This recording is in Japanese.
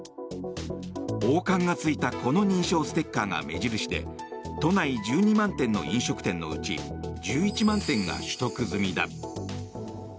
王冠がついたこの認証ステッカーが目印で都内１２万店の飲食店のうち１１万店が取得済みだ。